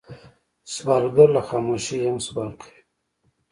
سوالګر له خاموشۍ هم سوال کوي